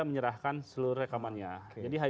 menyerahkan seluruh rekamannya jadi